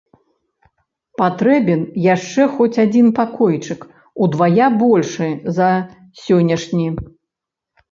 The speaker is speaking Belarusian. Патрэбен яшчэ хоць адзін пакойчык, удвая большы за сённяшні.